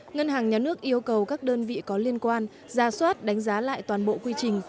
ngân hàng nhà nước yêu cầu các đơn vị có liên quan ra soát đánh giá lại toàn bộ quy trình